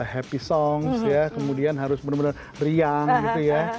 happy songs ya kemudian harus benar benar riang gitu ya